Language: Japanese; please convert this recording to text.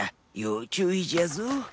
要注意じゃぞ！」